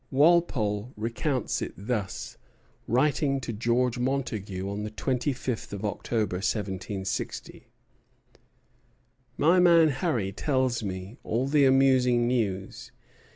Walpole recounts it thus, writing to George Montagu on the twenty fifth of October, 1760: "My man Harry tells me all the amusing news.